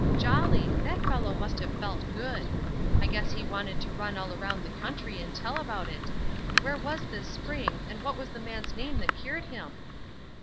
"Jolly! that fellow must have felt good: I guess he wanted to run all around the country and tell about it. Where was this spring, and what was the man's name that cured him?"